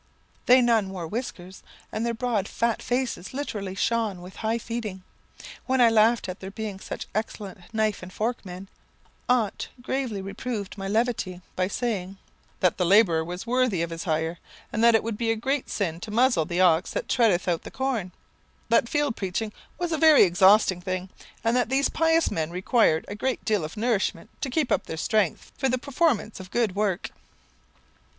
They none wore whiskers, and their broad fat faces literally shone with high feeding. When I laughed at their being such excellent knife and fork men, aunt gravely reproved my levity, by saying, 'that the labourer was worthy of his hire; and that it would be a great sin to muzzle the ox that treadeth out the corn; that field preaching was a very exhausting thing, and that these pious men required a great deal of nourishment to keep up their strength for the performance of good work.'